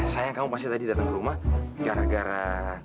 sayang kamu pasti tadi datang ke rumah gara gara